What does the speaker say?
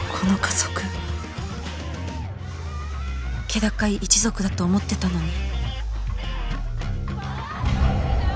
気高い一族だと思ってたのに